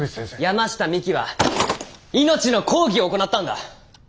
山下未希は命の抗議を行ったんだ！